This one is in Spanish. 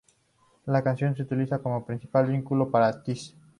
La canción es utilizada como principal vínculo para Tess.